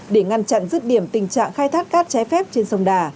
để ngăn chặn rứt điểm tình trạng khai thác cát trái phép trên sông đà